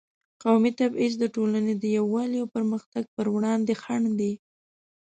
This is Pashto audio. قومي تبعیض د ټولنې د یووالي او پرمختګ پر وړاندې خنډ دی.